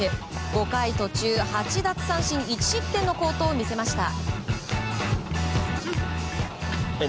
５回途中、８奪三振１失点の好投を見せました。